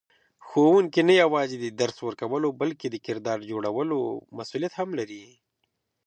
ښوونکی نه یوازې د درس ورکولو بلکې د کردار جوړولو مسئولیت هم لري.